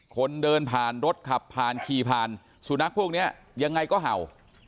คนเดินผ่านรถขับผ่านขี่ผ่านสุนัขพวกนี้ยังไงก็เห่า